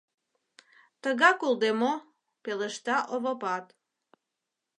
— Тыгак улде мо! — пелешта Овопат.